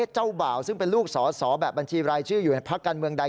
เจ้าบ่าวซึ่งเป็นลูกสอสอแบบบัญชีรายชื่ออยู่ในพักการเมืองใด